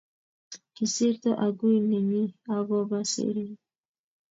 Kisirto agui nenyi agoba seriat